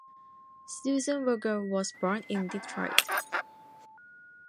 Susan Vogel was born in Detroit.